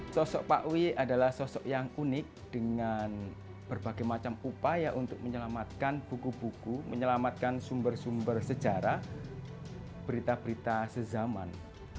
sosok pak wi adalah sosok yang unik dengan berbagai macam upaya untuk menyelamatkan buku buku menyelamatkan sumber sumber sejarah berita berita sezaman